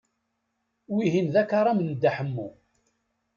Wihin d akaram n Dda Ḥemmu.